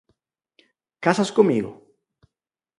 ¿Casas comigo?